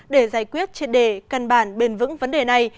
để giải quyết trên đề cân bản bền vững vấn đề này